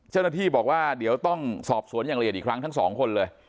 เจ้าหน้าที่บอกว่าเดี๋ยวต้องสอบสวนอย่างละเอียดอีกครั้งทั้งสองคนเลย